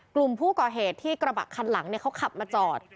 กลุ่มผู้ก่อเหตุที่กระบะคันหลังเขาขับมาจอด